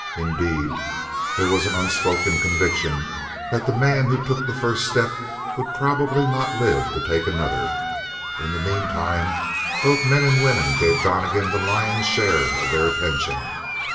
Indeed, there was an unspoken conviction that the man who took the first step would probably not live to take another. In the meantime both men and women gave Donnegan the lion's share of their attention.